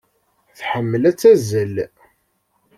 Tḥemmel ad tazzel.